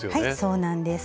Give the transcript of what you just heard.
そうなんです。